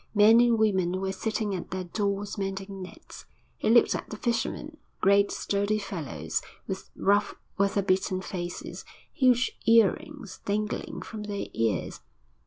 Men and women were sitting at their doors mending nets. He looked at the fishermen, great, sturdy fellows, with rough, weather beaten faces, huge earrings dangling from their ears.